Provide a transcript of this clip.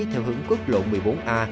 theo hướng quốc lộ một mươi bốn a